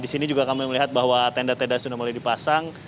di sini juga kami melihat bahwa tenda tenda sudah mulai dipasang